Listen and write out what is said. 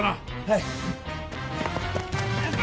はい。